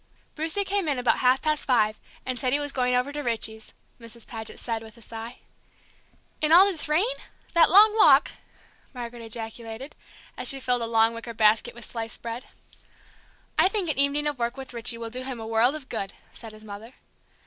"Brucie came in about half past five, and said he was going over to Richie's," Mrs. Paget said, with a sigh. "In all this rain that long walk!" Margaret ejaculated, as she filled a long wicker basket with sliced bread. "I think an evening of work with Richie will do him a world of good," said his mother.